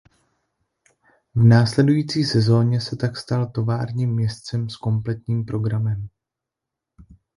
V následující sezoně se tak stal továrním jezdcem s kompletním programem.